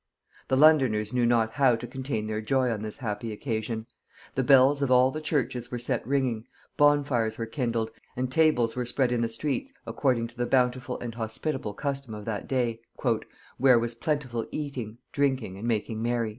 The Londoners knew not how to contain their joy on this happy occasion: the bells of all the churches were set ringing, bonfires were kindled, and tables were spread in the streets according to the bountiful and hospitable custom of that day, "where was plentiful eating, drinking, and making merry."